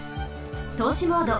とうしモード。